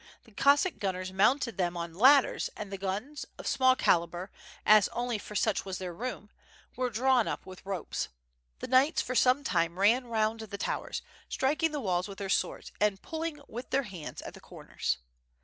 The Cossack gunners mounted them on ladders, and the guns, of small calibre, as only for such was there room, were drawn up with ropes. The knights for some time ran round the towers, striking the walls with their swords and pulilng with their hands at the corners.